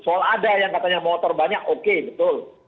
soal ada yang katanya motor banyak oke betul